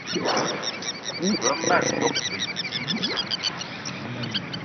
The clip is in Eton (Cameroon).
Ve ma tok beti